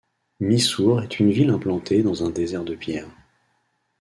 Missour et une ville implantée dans un désert de pierres.